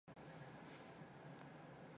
Би бүр тэр хурал дээр үг хэлэх гэсэн шүү.